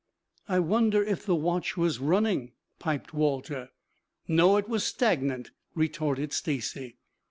"I wonder if the watch was running?" piped Walter. "No, it was stagnant," retorted Stacy.